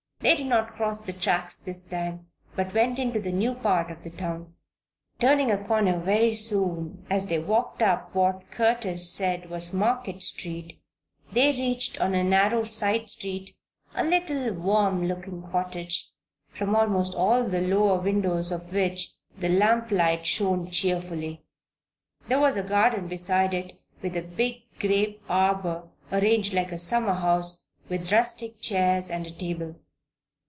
They did not cross the tracks this time, but went into the new part of the town. Turning a corner very soon as they walked up what Curtis said was Market Street, they reached, on a narrow side street, a little, warm looking cottage, from almost all the lower windows of which the lamplight shone cheerfully. There was a garden beside it, with a big grape arbor arranged like a summer house with rustic chairs and a table.